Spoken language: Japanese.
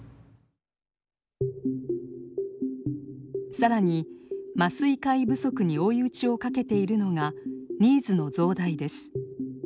更に麻酔科医不足に追い打ちをかけているのがニーズの増大です。